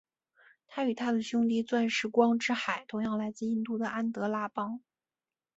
它与它的兄弟钻石光之海同样来自印度的安德拉邦。